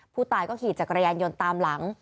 ผู้ตายก็ขี่จักรยานยนต์ตามหลัง